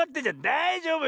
だいじょうぶよ。